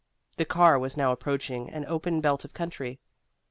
The car was now approaching an open belt of country.